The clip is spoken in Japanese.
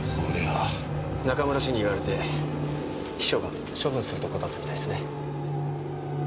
中村氏に言われて秘書が処分するとこだったみたいですね。